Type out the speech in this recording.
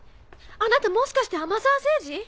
あなたもしかして天沢聖司？